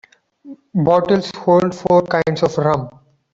Bottles hold four kinds of rum.